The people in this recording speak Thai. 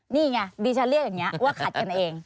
นี่ไงดิฉันเรียกอย่างนี้ว่าขัดกันเอง